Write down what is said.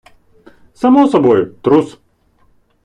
Само собою - трус.